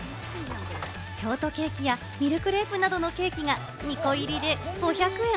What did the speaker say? ショートケーキやミルクレープなどのケーキが２個入りで５００円。